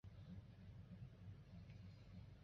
如右图耳蜗由三个内部充满淋巴液的空腔组成。